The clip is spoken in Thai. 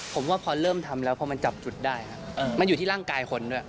ผมว่าพอเริ่มทำแล้วพอมันจับจุดได้มันอยู่ที่ร่างกายคนด้วย